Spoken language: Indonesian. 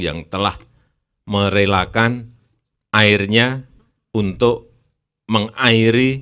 yang telah merelakan airnya untuk mengairi